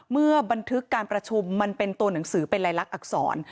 เมื่อบันทึกการประชุมมันเป็นตัวหนังสือเป็นลายลักษณอักษร